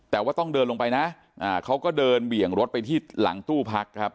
แต่ว่าต้องเดินลงไปนะเขาก็เดินเบี่ยงรถไปที่หลังตู้พักครับ